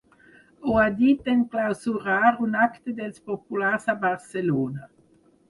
Ho ha dit en clausurar un acte dels populars a Barcelona.